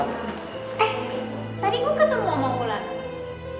eh tadi gue ketemu sama ulan